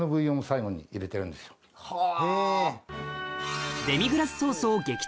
はぁ！